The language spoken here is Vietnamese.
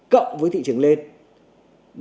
cộng với thị trường bất động sản